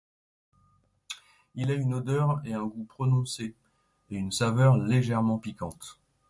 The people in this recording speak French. Il a une odeur et un goût prononcés, et une saveur légèrement piquante.